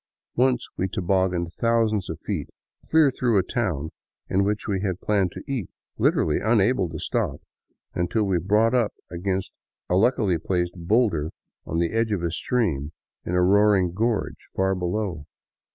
Once we tobogganed thousands of feet clear through a town in which we had planned to eat, literally unable to stop until we brought up against a luckily placed boulder on the edge of a stream in a roaring gorge far below.